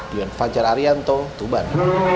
dian fajar arianto tuban